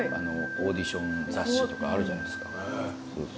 オーディション雑誌とかあるじゃないですか。